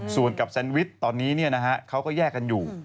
ส่วนกับแซนวิชตอนนี้เขาก็แยกกันอยู่